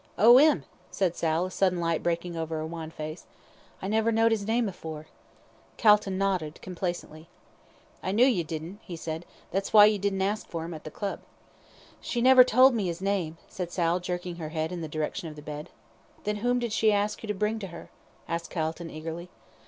"Oh, 'im?" said Sal, a sudden light breaking over her wan face. "I never knowd his name afore." Calton nodded complacently. "I knew you didn't," he said, "that's why you didn't ask for him at the Club." "She never told me 'is name," said Sal, jerking her head in the direction of the bed. "Then whom did she ask you to bring to her?" asked Calton, eagerly.